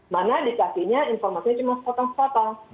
mana dikasihnya informasinya